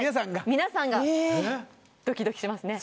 皆さんがドキドキしますね